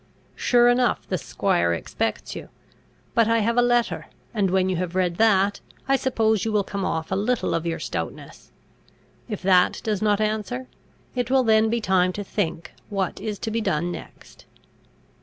Sure enough the squire expects you; but I have a letter, and when you have read that, I suppose you will come off a little of your stoutness. If that does not answer, it will then be time to think what is to be done next."